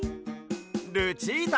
ルチータ。